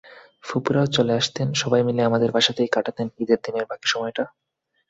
ফুপুরাও চলে আসতেন, সবাই মিলে আমাদের বাসাতেই কাটাতেন ঈদের দিনের বাকি সময়টা।